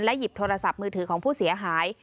หยิบโทรศัพท์มือถือของผู้เสียหาย